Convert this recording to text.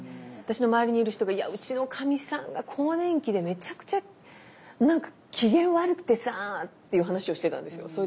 私の周りにいる人が「いやうちのかみさんが更年期でめちゃくちゃ機嫌悪くてさぁ」っていう話をしてたんですよ。